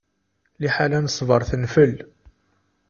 Lḥila n ṣṣbeṛ tenfel.